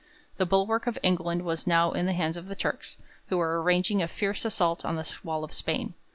The bulwark of England was now in the hands of the Turks, who were arranging a fierce assault on the wall of Spain.